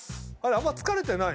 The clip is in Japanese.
あんま疲れてない？